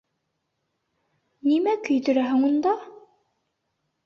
Нимә көйҙөрәһең унда?